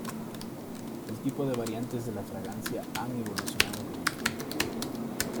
El tipo de variantes de la fragancia han evolucionado con el tiempo.